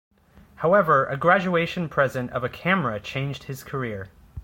However, a graduation present of a camera changed his career.